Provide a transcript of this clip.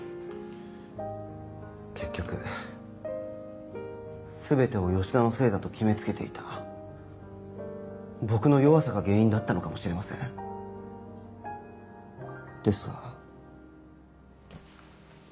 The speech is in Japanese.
結局全てを吉田のせいだと決め付けていた僕の弱さが原因だったのかもしれません。ですが。